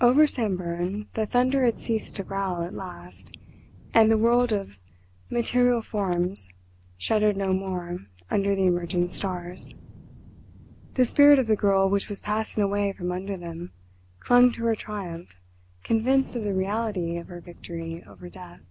Over Samburan the thunder had ceased to growl at last, and the world of material forms shuddered no more under the emerging stars. The spirit of the girl which was passing away from under them clung to her triumph convinced of the reality of her victory over death.